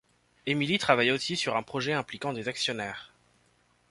Emily travaille aussi sur un projet impliquant des actionnaires.